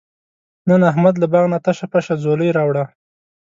نن احمد له باغ نه تشه پشه ځولۍ راوړله.